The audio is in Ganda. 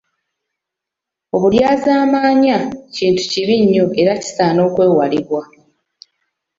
Obulyazaamaanya kintu kibi nnyo era kisaana okwewalibwa.